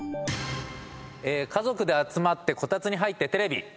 家族で集まってこたつに入ってテレビ！